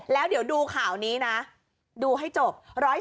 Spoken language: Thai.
แล้วเดี๋ยวดูข่าวนี้นะดูให้จบ๑๔